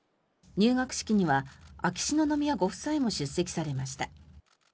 入学式には秋篠宮ご夫妻も出席されました。